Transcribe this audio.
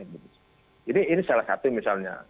jadi ini salah satu misalnya